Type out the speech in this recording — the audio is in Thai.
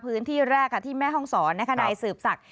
พื้นที่แรกที่แม่ฮองศรในขณะใหญ่สืบศักดิ์